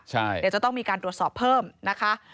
เดี๋ยวจะต้องมีการตรวจสอบเพิ่มนะคะ